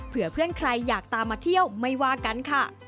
เพื่อเพื่อนใครอยากตามมาเที่ยวไม่ว่ากันค่ะ